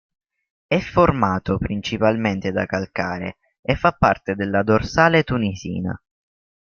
È formato principalmente da calcare e fa parte della dorsale tunisina.